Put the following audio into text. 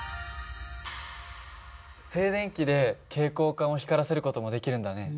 静電気で蛍光管を光らせる事もできるんだね。